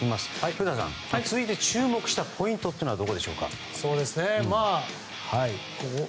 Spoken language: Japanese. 古田さん、続いて注目したポイントはどこでしょうか。